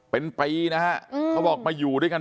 เป็นปีนะฮะเขาบอกมาอยู่ด้วยกัน